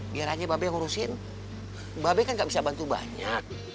biar aja mba be ngurusin mba be kan gak bisa bantu banyak